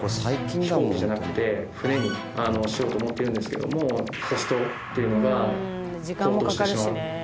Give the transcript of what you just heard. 飛行機じゃなくて船にしようと思ってるんですけどもコストっていうのが高騰してしまう。